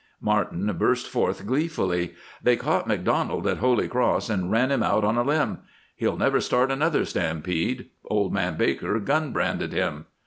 Martin burst forth, gleefully: "They caught MacDonald at Holy Cross and ran him out on a limb. He'll never start another stampede. Old man Baker gun branded him."